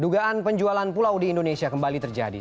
dugaan penjualan pulau di indonesia kembali terjadi